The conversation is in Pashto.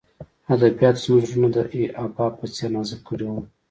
ادبیاتو زموږ زړونه د حباب په څېر نازک کړي وو